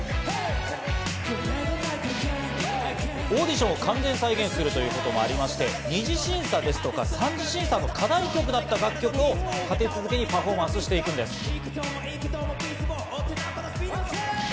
オーディションを完全再現するということもありまして２次審査ですとか３次審査の課題曲だった楽曲を立て続けにパフォーマンスしていくんです。